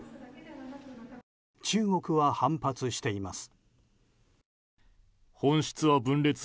中国は反発しています。